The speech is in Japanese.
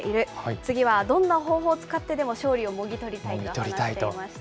次はどんな方法を使ってでも、勝利をもぎ取りたいと話していました。